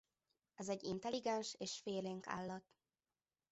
Ez egy intelligens és félénk állat.